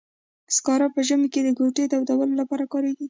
سکاره په ژمي کې د کوټې تودولو لپاره کاریږي.